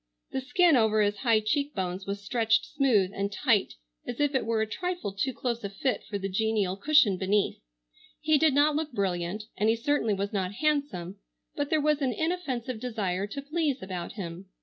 The skin over his high cheek bones was stretched smooth and tight as if it were a trifle too close a fit for the genial cushion beneath. He did not look brilliant, and he certainly was not handsome, but there was an inoffensive desire to please about him.